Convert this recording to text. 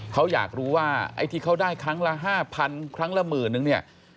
เขาอยากรู้ว่าไอ้ที่เขาได้ครั้งละ๕๐๐๐ครั้งละหมื่นนึงเนี่ย